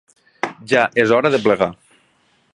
Ja és hora de plegar.